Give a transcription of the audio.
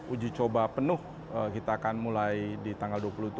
uji coba penuh kita akan mulai di tanggal dua puluh tujuh